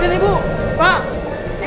ya ampun pak sakti